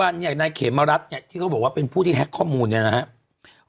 วันอย่างนายเขมรัฐเนี่ยที่เขาบอกว่าเป็นผู้ที่แฮ็กข้อมูลเนี่ยนะครับ